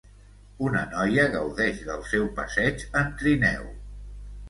Una noia gaudeix del seu passeig en trineu.